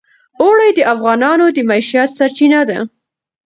اوړي د افغانانو د معیشت سرچینه ده.